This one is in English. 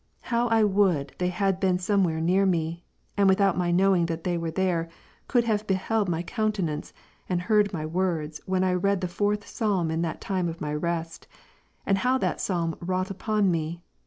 How I would they had then been somewhere near me, and without my knowing that they were there, could have beheld my countenance, and heard my words, when I read the fourth Psalm in that time of my rest, and how that Psalm wrought upon me.